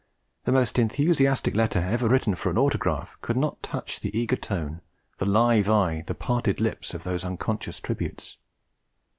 The most enthusiastic letter ever written for an autograph could not touch the eager tone, the live eye, the parted lips of those unconscious tributes.